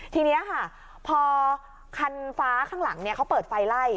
ทีนี้ค่ะพอคันฟ้าข้างหลังเขาเปิดไฟไล่